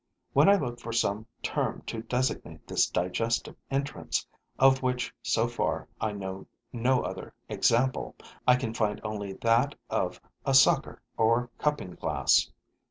When I look for some term to designate this digestive entrance, of which so far I know no other example, I can find only that of a sucker or cupping glass.